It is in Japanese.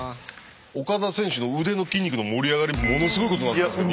オカダ選手の腕の筋肉の盛り上がりものすごいことになってますけど。